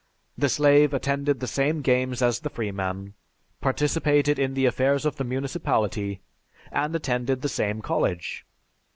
The slave attended the same games as the freeman, participated in the affairs of the municipality, and attended the same college.